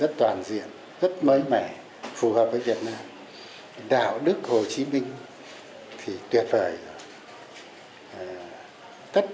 học tập tư tưởng chính trị phẩm chất đạo đức lối sống học tập làm theo bác